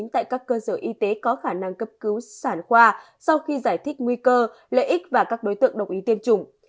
tại các cơ sở y tế có khả năng cấp cứu sản khoa sau khi giải thích nguy cơ lợi ích và các đối tượng đồng ý tiêm chủng